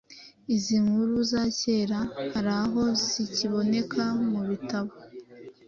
izinkuru zacyera haraho zikiboneka mubitabo